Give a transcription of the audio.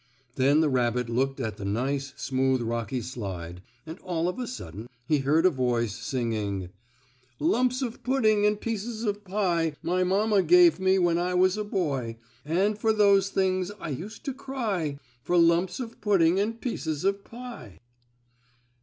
Then the rabbit looked at the nice, smooth rocky slide, and all of a sudden he heard a voice singing: "Lumps of pudding and pieces of pie My mamma gave me when I was a boy, And for those things I used to cry For lumps of pudding and pieces of pie!"